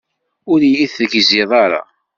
Ur iyi-tegzid ara.